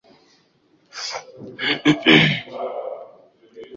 Mbuzi na kondoo huathiriwa na mkojo mwekundu